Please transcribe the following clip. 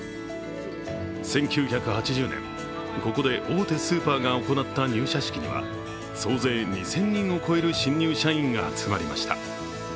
１９８０年、ここで大手スーパーが行った入社式には総勢２０００人を超える新入社員が集まりました。